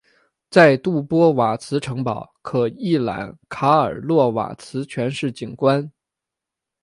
在杜波瓦茨城堡可一览卡尔洛瓦茨全市景观。